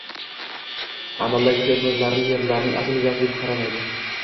— amaldagi fermerlarni yerlarning asl egasi deb qaramaydi